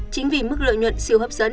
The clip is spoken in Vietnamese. chính vì mức lợi nhuận siêu hấp dẫn